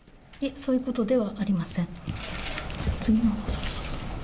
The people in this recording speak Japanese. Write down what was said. いえ、そういうことではありません。